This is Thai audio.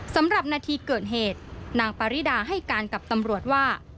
สำหรับนาทีเกิดเหตุนางปาริดาให้การกับตำรวจว่า